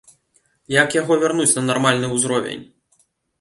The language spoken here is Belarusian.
Як яго вярнуць на нармальны ўзровень?